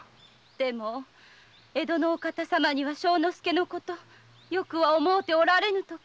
でも江戸のお方様には正之助のことよくは思うておられぬとか。